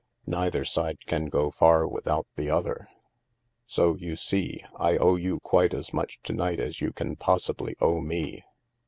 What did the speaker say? Neither side can go far without the other. So, you see, I owe you quite as much to night as you can possibly owe me.